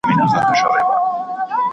¬ څلور کوره، پنځه ئې ملکان.